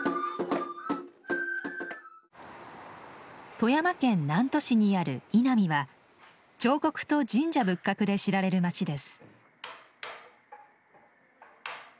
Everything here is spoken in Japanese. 富山県南砺市にある井波は彫刻と神社仏閣で知られる町です。